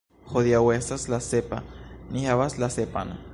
Hodiaŭ estas la sepa, ni havas la sepan.